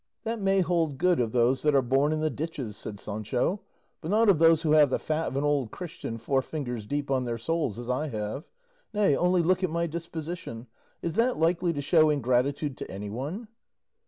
"That may hold good of those that are born in the ditches," said Sancho, "not of those who have the fat of an old Christian four fingers deep on their souls, as I have. Nay, only look at my disposition, is that likely to show ingratitude to anyone?"